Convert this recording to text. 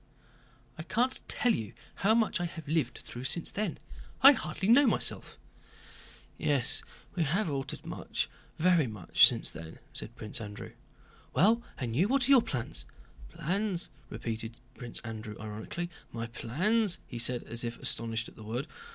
"I can't tell you how much I have lived through since then. I hardly know myself again." "Yes, we have altered much, very much, since then," said Prince Andrew. "Well, and you? What are your plans?" "Plans!" repeated Prince Andrew ironically. "My plans?" he said, as if astonished at the word.